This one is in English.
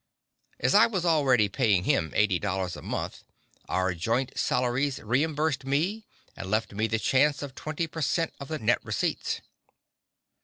As I was already paying him eighty dollars a month, our joint salaries reimbursed me and left me the chance of twenty per cent of the net receipts.